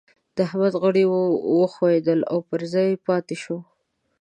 د احمد غړي وښوئېدل او پر ځای پاته شو.